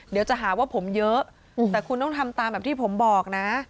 เดี๋ยวจะหาว่าผมเยอะแต่คุณต้องทำตามแบบที่ผมบอกนะ